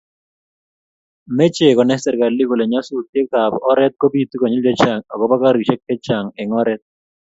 meche konay serikalit kole nyasusietab oret kobiitu konyil chechang agoba karishek chechang eng oret